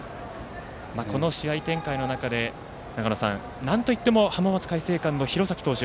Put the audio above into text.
この試合展開の中でなんといっても浜松開誠館の廣崎投手